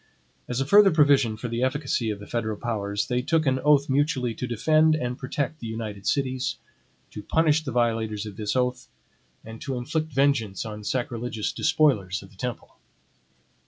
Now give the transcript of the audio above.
As a further provision for the efficacy of the federal powers, they took an oath mutually to defend and protect the united cities, to punish the violators of this oath, and to inflict vengeance on sacrilegious despoilers of the temple.